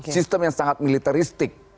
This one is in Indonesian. sistem yang sangat militaristik